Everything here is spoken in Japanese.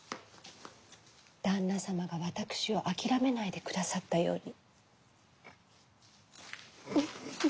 旦那様が私を諦めないでくださったように。